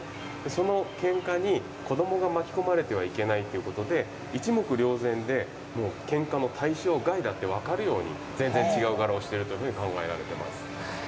そのけんかに子どもが巻き込まれてはいけないということで、一目りょう然で、けんかの対象外だって分かるように、全然違う柄をしているというふうに考えられています。